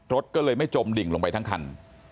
รถก็เลยไม่จมดิ่งลงไปทั้งคัน